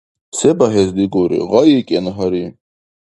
Се багьес дигулри? ГъайикӀен, гьари!